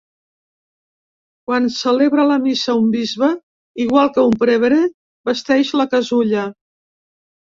Quan celebra la Missa un bisbe, igual que un prevere vesteix la casulla.